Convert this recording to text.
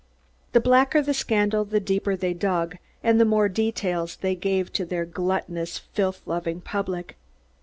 The blacker the scandal, the deeper they dug, and the more details they gave to their gluttonous, filth loving public.